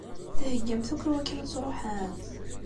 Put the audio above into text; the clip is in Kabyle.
Theggamt akk i wakken ad tṛuḥemt?